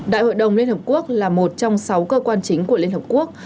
đại hội đồng liên hợp quốc là một trong sáu cơ quan chính của liên hợp quốc